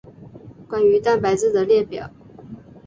关于蛋白质的列表。